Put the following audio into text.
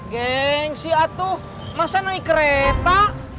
geng si atu masa naik kereta